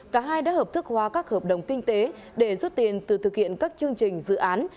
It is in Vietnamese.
cả hai đã hợp thức hóa các hợp đồng kinh tế để rút tiền từ thực hiện các chương trình dự án